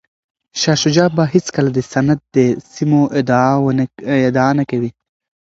شاه شجاع به هیڅکله د سند د سیمو ادعا نه کوي.